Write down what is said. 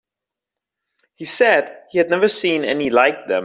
He said he had never seen any like them.